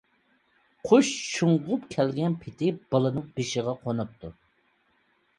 قۇش شۇڭغۇپ كەلگەن پېتى بالىنىڭ بېشىغا قونۇپتۇ.